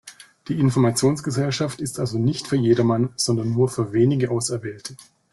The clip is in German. Die Informationsgesellschaft ist also nicht für jedermann, sondern nur für wenige Auserwählte.